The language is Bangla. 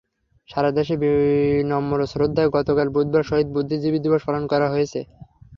সারা দেশে বিনম্র শ্রদ্ধায় গতকাল বুধবার শহীদ বুদ্ধিজীবী দিবস পালন করা হয়েছে।